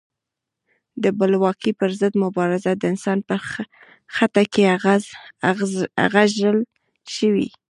د بلواکۍ پر ضد مبارزه د انسان په خټه کې اغږل شوې.